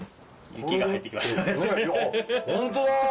ホントだ！